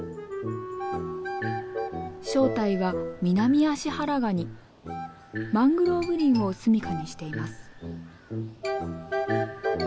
正体はマングローブ林を住みかにしています。